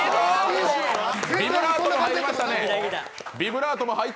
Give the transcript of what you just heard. ビブラートも入りましたね。